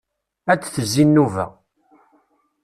Ad d-tezzi nnuba.